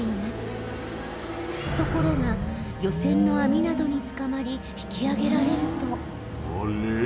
ところが漁船のあみなどにつかまり引きあげられるとあれ？